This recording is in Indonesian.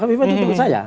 bukofifa teman saya